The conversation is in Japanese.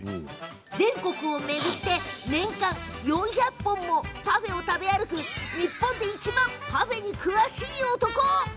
全国を巡って年間４００本もパフェを食べ歩く日本でいちばんパフェに詳しい男。